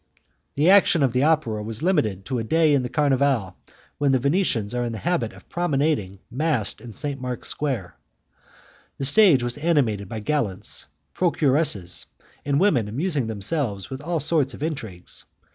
The action of the opera was limited to a day in the carnival, when the Venetians are in the habit of promenading masked in St. Mark's Square. The stage was animated by gallants, procuresses, and women amusing themselves with all sorts of intrigues.